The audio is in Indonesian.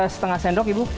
setengah sendok ibu